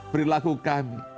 berilaku yang berjaya